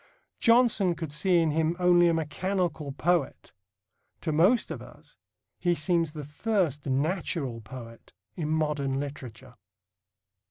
Johnson could see in him only a "mechanical poet." To most of us he seems the first natural poet in modern literature.